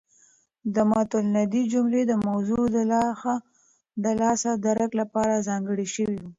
د مط الندې جملې د موضوع د لاښه درک لپاره ځانګړې شوې.